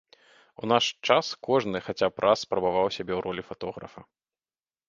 У наш час кожны хаця б раз спрабаваў сябе ў ролі фатографа.